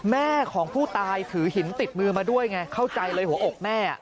แม่ของผู้ตายถือหินติดมือมาด้วยไงเข้าใจเลยหัวอกแม่